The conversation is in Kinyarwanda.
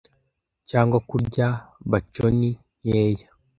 cyangwa kurya baconi nkeya